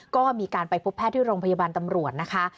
ก็มีการไปพบแพทย์ที่โรงพยาบาลตำรวจนะคะ